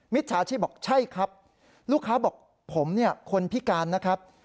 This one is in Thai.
มิตรฐาชีพบอกใช่ครับลูกค้าบอกผมคนพิการนะครับ